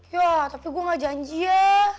ya tapi gue gak janji ya